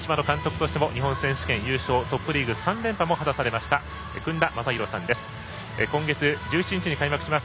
東芝の監督として日本選手権優勝トップリーグ３連覇も果たされました薫田真広さんです。